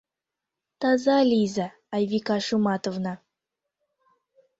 Таза лийза, Айвика Шуматовна!